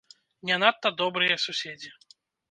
Не надта добрыя суседзі.